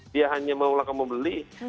dia hanya mau langsung membeli